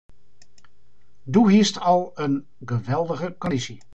Doe hiest al in geweldige kondysje.